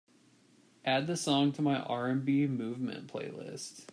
Add the song to my R&B Movement playlist.